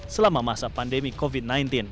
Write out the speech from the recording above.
selama masa pandemi covid sembilan belas